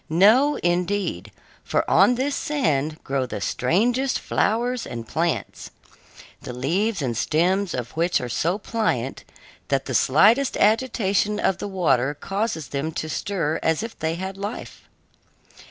No, indeed, for on this sand grow the strangest flowers and plants, the leaves and stems of which are so pliant that the slightest agitation of the water causes them to stir as if they had life.